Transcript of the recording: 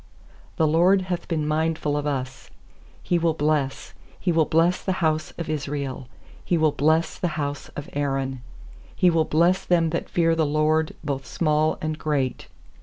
"The LORD hath been mindful of us, He will bless — He will bless the house of Israel; He will bless the house of Aaron. 13He will bless them that fear the LORD, Both small and great.